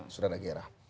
sudah ada gairah